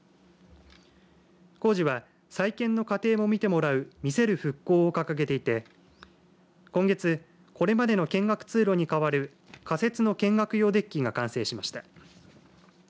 工事は、再建の過程も見てもらう見せる復興を掲げていて今月、これまでの見学通路に代わる仮設の見学用デッキが完成しました。